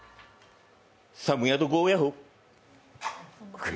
サムヤドゴーヤド。